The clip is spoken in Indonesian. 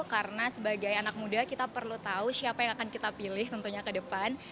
karena sebagai anak muda kita perlu tahu siapa yang akan kita pilih tentunya ke depan